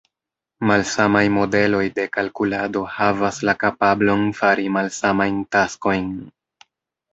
Malsamaj modeloj de kalkulado havas la kapablon fari malsamajn taskojn.